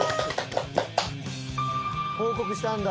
報告したんだ。